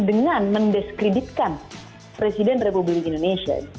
dengan mendiskreditkan presiden republik indonesia